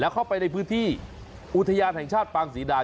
เข้าไปในพื้นที่อุทยานแห่งชาติปางศรีดา